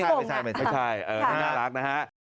นั่นไม่ตรงนะไม่ใช่น่ารักนะฮะใช่